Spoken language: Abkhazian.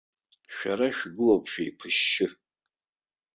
Шәара шәгылоуп шәеиқәышьшьы.